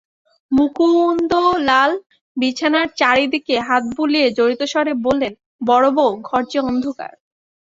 মুকুন্দলাল বিছানার চারি দিকে হাত বুলিয়ে জড়িতস্বরে বললেন, বড়োবউ, ঘর যে অন্ধকার!